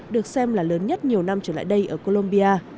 được xem là lớn nhất nhiều năm trở lại đây ở colombia